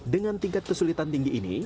dengan tingkat kesulitan tinggi ini